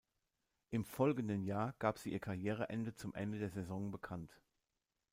Im folgenden Jahr gab sie ihr Karriereende zum Ende der Saison bekannt.